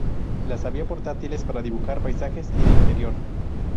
Las había portátiles, para dibujar paisajes, y de interior.